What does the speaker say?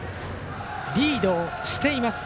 リードをしています